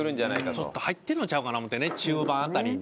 ちょっと入ってるのちゃうかな思うてね中盤辺りに。